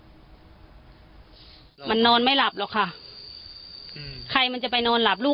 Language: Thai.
ที่มีข่าวเรื่องน้องหายตัว